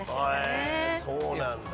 そうなんだ。